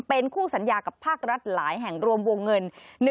เป็นคู่สัญญากับภาครัฐหลายแห่งรวมวงเงิน